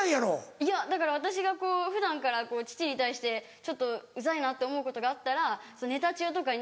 いやだから私が普段から父に対してちょっとウザいなって思うことがあったらネタ中とかに。